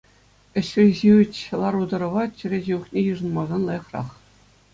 Ӗҫри ҫивӗч лару-тӑрӑва чӗре ҫывӑхне йышӑнмасан лайӑхрах.